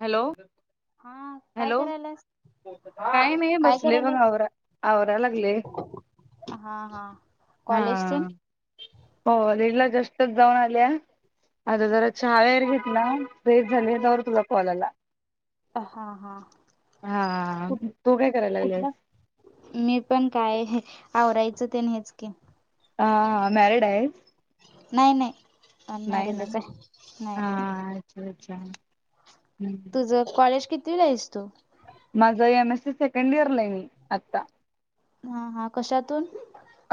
Hello? हा, काय करायल्यास? काही नाही, बसलोय बघ, आवरा आवरा लागलोय. हा हा, कॉलेज तेन? कॉलेजला जस्टच जाऊन आल्या, आता जरा चहा वगैरे घेतला. फ्रेश झाले, तोवर तुझा कॉल आला. हा हा. हा, कुठ तू काय करायला कुठला लागल्यास? मी पण काय, आवरायचं तेन हेच की. हा हा, मॅरीड हाइत? नाही नाही, ना अनमॅरिडच आहे. नाही. हा अच्छा अच्छा, हम्म! कॉलेज कितीवीला हाईस तू? माझं एम. एस. सी सेकंड इयरला आहे मी, आता. हा हा, कशातून?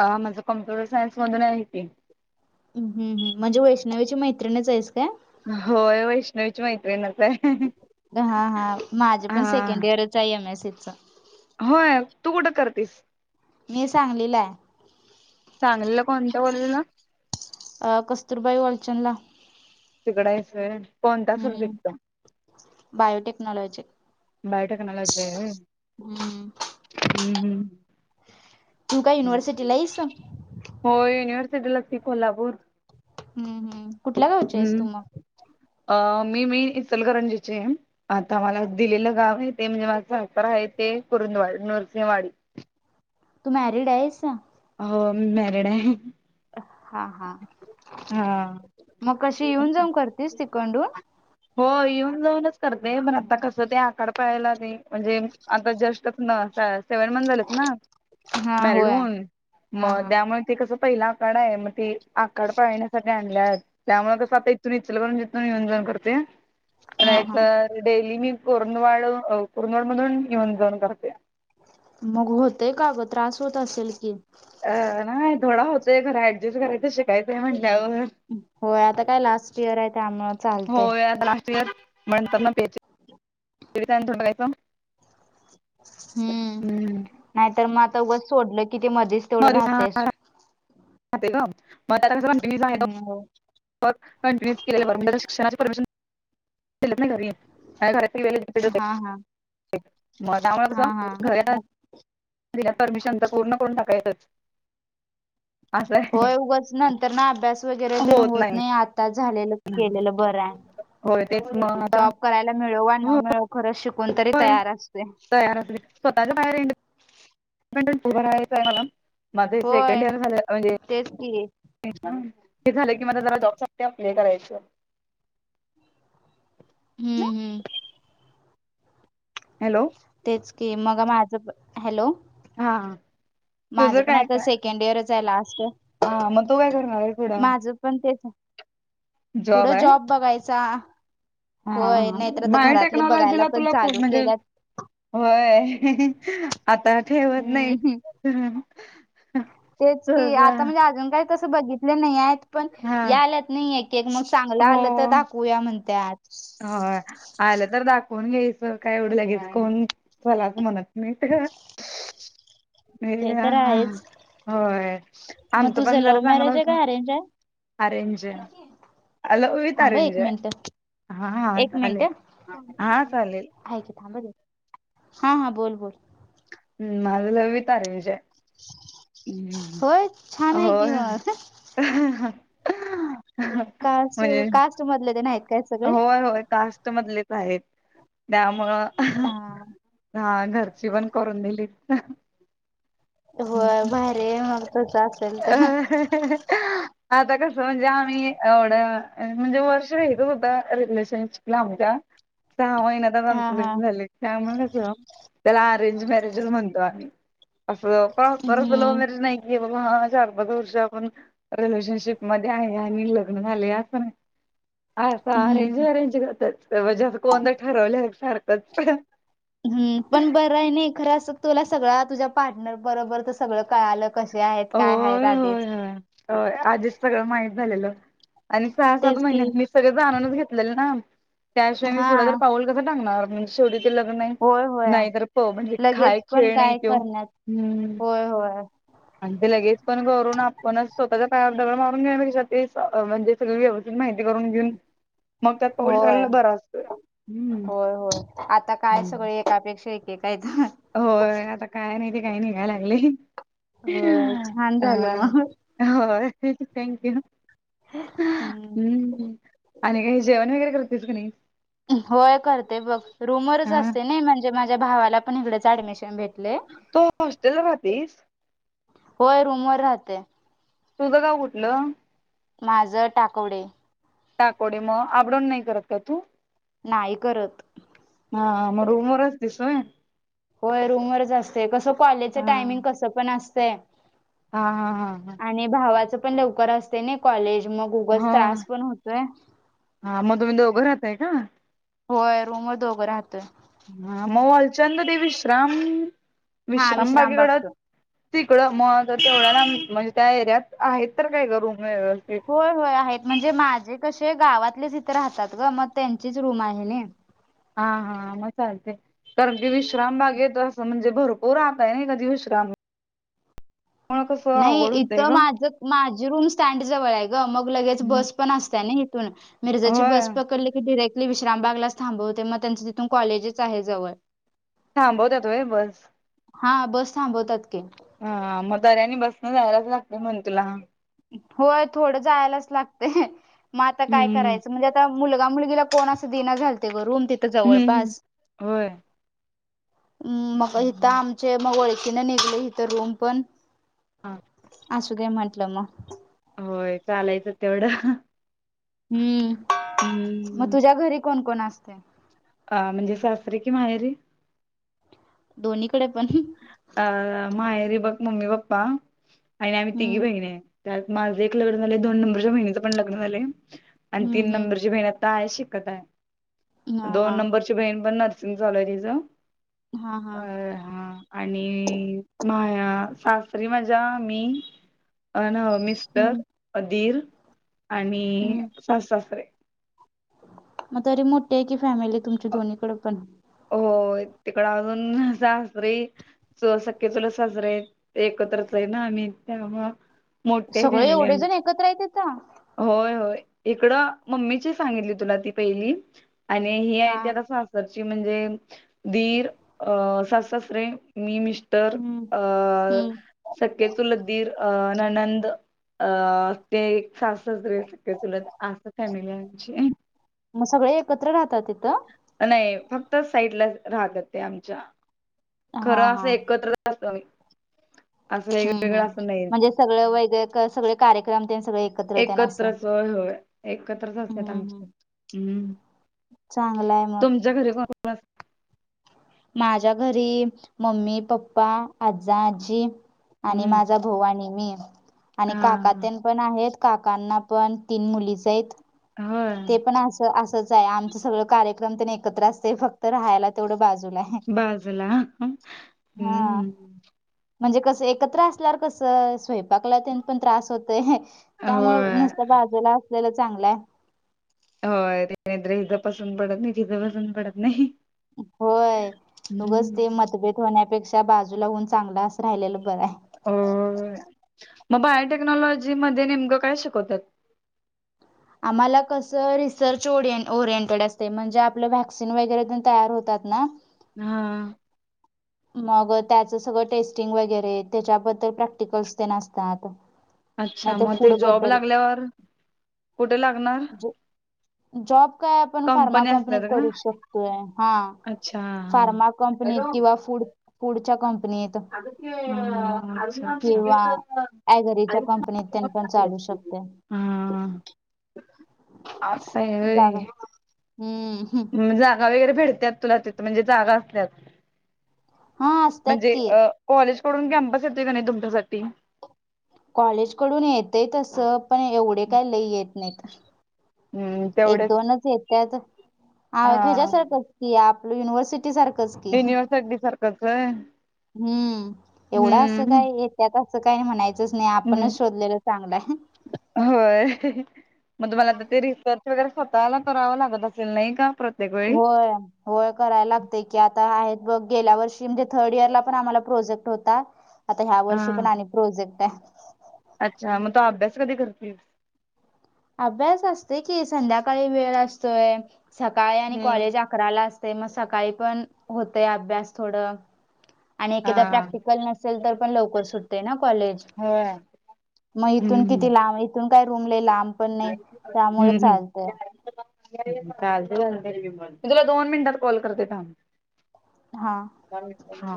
अ माझं कॉम्प्युटर सायन्स मधून आहे की. हम् हम, म्हणजे वैष्णवीची मैत्रिणीच आहेस काय? होय, वैष्णवीची माैत्रीणच हाय. हा हा, माझ पण सेकंड इयरच हाय, एम. एस. सी. च होय, तू कुठं करतीस. मी सांगलीला हाय. सांगलीला कोणत्या कॉलेजला? अ कस्तुरबाई वालचंदला. तिगड हाईस होय. हम्म, बायोटेक्नॉलॉजी. बायोटेक्नॉलॉजी हाय व्हय? हम्म. हम्म तू काय हम्म. युनिव्हर्सिटीला आहेस? होय, युनिव्हर्सिटीलाच की कोल्हापुर. हम्, हम्म, कुठल्या गावची आहेस तू हम्म. मगं? मी इचलकरंजीची आहे. आता मला दिलेलं गावं आहे ते, म्हणजे माझं आहे ते कुरुंदवाड नरसिंहवाडी. तू मॅरिड आहेसं? हो, मी मॅरिड आहे. हा हा, हा मग कशी येऊन जाऊनं करतेसं तिकडून? हो, येऊन जाऊनचं करते, पण आता कसं ते आखाड पळायला ते म्हणजे आता जस्ट ना सेव्हन मं झालेत ना हा मॅरीड होय हा मग, हा दया मंग. ते कसं पहिला आखाड आहे मग ते आखाड पाळण्यासाठी आणल्या आहेत. त्यामु कसं आता इथून [inaudible] इच्छलं प जथून नियोंजन करते हा हा पण डेली मी परणवाळ [inaudible] परणवाड मधून येऊन जाऊन करते मगं होतयं का. गं त्रास होत. असेल कि. अ नाही थोडा होतोयं खरं ऍडजस्ट करायचं शिकायचंय म्हणल्यावर होय आता काय लास्ट इयर आहे त्यामुळे चालतयं. होय लास्ट इयर. म्हणतात ना [inaudible] प थोडयचं हम्म, नाहीतर मग आता उगचं सोडलं कि ते मध्येच तेवढं राहतयं. ग मग [unintelligible] त्या की सांग हो. कंटिन्य [unintelligible] केलें शिक्षणा परमिशन दि घरी घरात वे हा हा [unintelligible] मनामुळे हा हा क घ मग दिलं परमिशन तर पूर्ण करून टाकायचं. हो उगच नंतर ना अभ्यास वगैरे होत. नाही. आताचं झालेलं. केलेलं बरं आहे. होय तेच मग आता जॉब. करायला मिळो वा ना मिळो खरचं शिकून तरी होय तयार असते. [inaudible] स्वतःच्या [inaudible] बाहेरू रायचंय मला बाकी होय सेकंड ईयर झालं म्हणजे. तेच की ते झालं की मला जॉब साठी अप्लाय करायचं. हम्म, हम्म, हॅलो! तेचं कि मगं माझं हॅलो! हा, मंग माझं तुझं पण काय आता सेकंड इयरच आहे लास्ट मग तू काय करणार पुढं. माझं पण त्याचं आहे. पुढं जॉब बघायचा. हा होय नाहीतर आता घरातले बघायला बायोटेक्नॉलॉजीला पण तुला चालू पूर्ण. केल्यात होय आता ठेवतं हम्म नायतं. तेचं कि आता म्हणजे अजून काही तसं बघितले नाही. आहेत. पण हा या आल्यात नाही. ते मग चांगलं आलं तर दाखवूया म्हणतातं. हो आलं तर दाखवून घ्यायचं काय एवढं लगेच कोण चला म्हणतं. नाही [inaudible] तर नाही ते तर गं आहेच होय मग आमचं तुझं पण जरा लव्ह चांगलं मॅरेज आहे होतं. का अरेंज आहे विथ थांब अरेंज. एक मिनिट हा हा चालेलं हा चालेलं. ऐकतं थांब हा हा बोल बोल. हम्म मला वि [inaudible] तार विजय होय छान आहे कि मंग. हा हा कास्ट कास्ट मधले ते नाहीत. काय सगळे होय होय कास्ट मधलेच आहेत त्यामुळं. हा हा घरची पण करून दिलीत. ह होय भारी आहे मग तसं असेल तर आ आता कसं म्हणजे आम्ही एवढं म्हणजे वर्ष भे. रिलेशन शिकला आमच्या सहा महिन्यान च हा आमचं हा लग्न झालंय. त्यामुळे कस त्याला अरेंज मॅरेज म्हणतो आम्ही. असंच लव्ह हम्म मॅरेज नाही कि बाबा चार पाच वर्ष आपण रिलेशनशिप मध्ये आहे आणि लग्न झाले असण आ. सारेंज हम्म अरेंज करतातजे कोणत ठरवल्या सारखंच पण. हम् पण बरं आहे नाही खरं असं तुला सगळ तुझ्या पार्टनर बरोबर तर सगळं कळालं. कसे आहेत? काय आहेत होय आधीच. होय होय आधीच सगळं माहीित झालेलं. आणि सहा सात तेच की महिन्यात मी सगळे जाणूनच घेतलेले ना, त्याशिय मी हा थोडं ज पाऊल. कसं टांगणार म्हणजे शेवटी ते लग्न नाही होय होय नाही तर प म्हणजे काय लगेच पण खेळ नाही काय तो. करण्यात हम्म होय होय. आणि ते लगेच पण करून आपणच स्वतःच्या पायावर डबळ मारून घेऊ ना क म्हणजे.. सगळी व्यवस्थित माहिती करून घेऊन. मग त्यात होय पाऊलला बर असतो हम् हम्. अपेक्षा एके काय तर. होय आता काय नाही ते काही निघायला लागले. होय छान झालं मग. हो थँक यू हम्म. आणि काही जेवण वगैरे करतेच कण नाहीस. होय करते बघ रूमरच हा असते नाही म्हणजे माझ्या भावाला पण इकडेच ऍडमिशन भेटते. तू हॉस्टेल राहतेस. होय रूमवरर राहते. तुझं का कुठलं? माझं टाकवडे. टाकवडे मग आबडून नाही करत का तू.. नाही करत. हा मग रूम वरच राहतीस होय. होय रूमवरच असते कसं कॉलेजचं हा टायमिंग कसं पण असतंय. हा हा हा हा आणि भावाचं पण लवकर असते नाही कॉलेज मग उग हा त्रास पण होतोय. हा मग तुम्ही दोघं राहताय का. होय रूम व दोघं राहतंय. हा मग वालचाल ते विश्राम हा विश्राम बागेकडत. विश्रामबागच तिकडं मग तेवढा ना म्हणजे त्या एरियात आहेत तर काय ग रूम व्यवस्थित. होय होय आहेत म्हणजे माझे कसे गावातलेच इथं राहतात ग मग त्यांचीच रूम आहे ना. हा हा मग चालतेय. कारण की विश्राम बाग येत असं म्हणजे भरपूर राहतय ना कधी विश्राम. मुळ कसं नाही अवघड होतंय इथं ग. माझ माझी रूम स्टँड जवळ आहे ग मग लगेच बस पण असतय ना. मिर्जाची होय बस पकडली की डरेक्. विश्रामबागलाच थांबवते मग त्यांचं तिथून कॉलेजच आहे जवळ. थांबवत्यात होय बस. हा बस थांबवतात कि. हा मग दऱ्याने बसनं जायलाचं लागते. म्हण तुला, होय थोडं जायलाच लागते. म आता काय हम्म करायचं म्हणजे तर मुलगा मुलगीला कोण अस दिना झालत गं रूम ते हम्म हम्म होय. मग इथं हम्म. आमचे मग ओळखीने निघले. इथं रूम पण, हा असूदे म्हंटलं मग, होय. चालायचं तेवढं हम्म, हम्म. मग तुझ्या घरी कोण कोण असते? अ म्हणजे सासरी की माहेरी? दोन्हीकड पण अ माहेरी बघ मम्मी पप्पा आणि आम्ही तिघी हम्म बहीण आहे. त्यात माझं एक लग्न झालंय. दोन नंबरच्या बहिणीच पण लग्न झालंय आणि तीन हम्म हम्म नंबरची बहिण आ ता शिकत हा आहे दोन हा नंबरची बहीण पण नर्सिंग चालू आहे तिचं. अ हा, आणि माया सासरी माझ्या मी अन मिस स्टर, हम्म दीर आणि हम्म सासु सासरे. मग तरी मोठी आहे. की फॅमिली तुमची दोन्हीकड पण हो तिकड अजून आता सासरी दोन सख्खे चुलत सासरे एकत्रच आहे ना आम्ही त्यामुळं, मोठी आहे सगळे फॅमिली एवढे जण आमची. एकत्र आहे तिथं होय होय. इकडं मम्मीची सांगितली तुला ती पहिली आणि ही आहे हा ती आता सासरी इकडची म्हणजे दीर अ सासु, सासरे मी मिस टर हम्म अ हम्म सखे चुलत दीर अ नणंद अ ते एक सासू, सासरे सख्खे चुलत असं फॅमिली आहे आमची. मग सगळे एकत्र राहतात तिथं. नाही फक्तच साईडला राहतात ते आमच्या हा खरं हा असं एकत्र असं. असं हम्म वेगवेेगळं हम् असं नाही. म्हणजे सगळं वेगळं क सगळ कार्यक्रम ते सगळे एक एकत्रच होय होय एकत्रच असत्यात हम्म आमचे. हम्म चांगल आहे मग. तुमच्या घरी कोण कोण माझ्या घरी मम्मी, पप्पा, आजा, आजी आणि हम्म. माझा भाऊ आणि मी आणि काका हा तेन पण आहेत काकांना पण तीन मुलीच आहेत. होय ते पण अस असच आहे. आमच सगळ कार्यक्रम त्यांनी एकत्र असते फक्त राहायला तेवढं बाजू बाजूला हा हम्म. म्हणजे कसं एकत्र असल्यावर कसं स्वयं पाकला तेन पण त्रास होतय. त्यामुळे होय नुसत बाजूला असलेल चांगल आहे. होय. तिकडंन नाहीतरी इथ पसंत पडत नाही तिथं पसंत पडत नाही. होय. उगाच ते हम्म. मतभेद होण्यापेक्षा बाजूला हून चांगलं असं राहिलेलं बरं आहे. होय. मग बायोटेक्नॉलॉजी मध्ये नेमकं काय शिकवत्यात. आम्हाला कसं रिसर्च ओर ओरिएंटेड असते म्हणजे आपलं व्हॅक्सिन वगैरे पण तयार होतात ना? हा. मग त्याचं सगळं टेस्टिंग वगैरे त्याच्याबद्दल प्रॅक्टिकलस तेन असतात. नाही अच्छा तर मग ते फूड जॉब बद्दल लागल्यावर, कुठ लागणार? ज जॉब काय आपण फार्मा कंपनी कंपनीत असतात का? करू शकतोय, हा. अच्छा हा. फार्मा कंपनीत किंवा फूड फूडच्या कंपनीत. अगं ते किंवा ऍगरीच्या कंपनीत तेन पण चालू शकतोय. [unintelligible] हा असाय वय. हम् [unintelligible] जागा वगैरे भेडत्यात तुला तिथ म्हणजे जागा असल्यात, हा असतात म्हणजे की अ कॉलेज कडून कॅम्पस येतोय का नाही तुमच्यासाठी. कॉलेज कडून येतय तंस पण एवढे काय लई येत नाहीत. हम्म एक तेवढेच दोनच येत्यात, आ हा ह्याच्यासारखंच की आपलं युनिव्हर्सिटी सारखंच. की युनिव्हर्सिटी सारखंच वय. हम्म एवढा असं काय येत्यात असं काय म्हणाय च नाही हम्म आपणच शोधलेलं चांगला आहे. होय, मग तुम्हाला आता ते रिसर्च वगैरे स्वतःला करावं लागत असेल नाही का? प्रत होय. होय कराय लागतय की आता आहेत बघ गेल्या वर्षी म्हणजे थर्ड इयर ला पण आम्हाला प्रोजेक्ट होता. आता ह्या हा वर्षी पण आणि प्रोजेक्ट आहे. अच्छा मग तू अभ्यास कधी करतीस. अभ्यास असते की संध्याकाळी वेळ असतोय सकाळी आणि हम्म कॉलेज अकराला असतंय मग सकाळी पण होतय अभ्यास थोड. आणि हा एकीदा प्रॅक्टिकल नसेल तर पण लवकर सुटते ना कॉलेज. होय मग इथून हम्म किती लांब इथून काय रूम लई लांब पण नाही त्यामुळ हम्म हम्म चालतय. मी तुला दोन मिनिटात कॉल करते थांम. हा. हा.